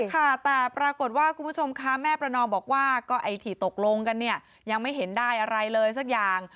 ค่ะแต่ปรากฏว่าคุณผู้ชมคะแม่ประนอมบอกว่าก็ไอ้ที่ตกลงกันเนี่ยยังไม่เห็นได้อะไรเลยสักอย่าง